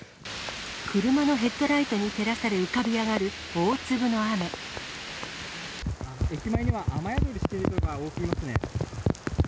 車のヘッドライトに照らされ、駅前には雨宿りしている人が多くいますね。